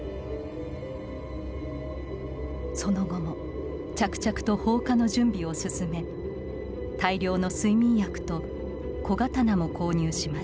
その後も着々と放火の準備を進め大量の睡眠薬と小刀も購入します